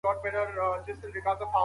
د تقاعد پرمهال روغتیایي خدمات څنګه وي؟